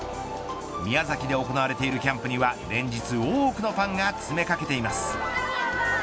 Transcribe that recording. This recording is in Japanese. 宮崎で行われているキャンプには連日多くのファンが詰めかけています。